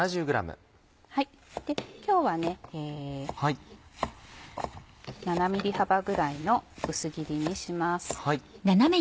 今日は７ｍｍ幅ぐらいの薄切りにします。